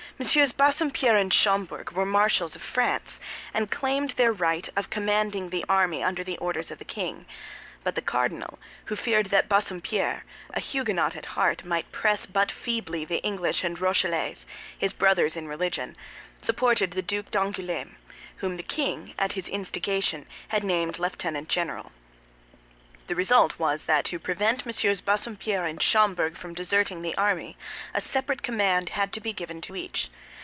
Bassompierre and Schomberg were marshals of France, and claimed their right of commanding the army under the orders of the king; but the cardinal, who feared that Bassompierre, a Huguenot at heart, might press but feebly the English and Rochellais, his brothers in religion, supported the Duc d'Angoulême, whom the king, at his instigation, had named lieutenant general. The result was that to prevent MM. Bassompierre and Schomberg from deserting the army, a separate command had to be given to each.